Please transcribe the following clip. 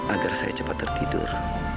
agar saya cepat tertidur